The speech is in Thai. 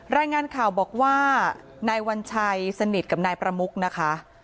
รายงานข่าวบอกว่านายวัญชัยสนิทกับนายประมุกนะคะ